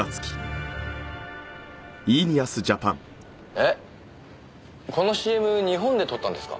えっこのＣＭ日本で撮ったんですか？